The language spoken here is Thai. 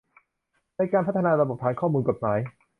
ในการพัฒนาระบบฐานข้อมูลกฎหมาย